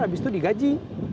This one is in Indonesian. habis itu di gaji